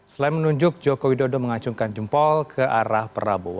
selain menunjuk joko widodo mengacungkan jempol ke arah prabowo